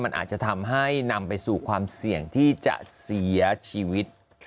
มันอาจจะทำให้นำไปสู่ความเสี่ยงที่จะเสียชีวิต